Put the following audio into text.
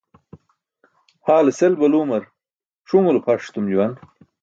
haale sel balumar ṣunulo pʰaṣ etum juwan.